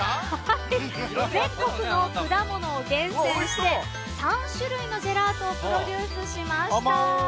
全国の果物を厳選して３種類のジェラートをプロデュースしました。